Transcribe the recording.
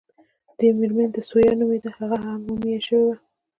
دې مېرمنې ته ثویا نومېده، هغه هم مومیايي شوې وه.